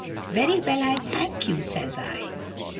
"Very well, I thank you," says I.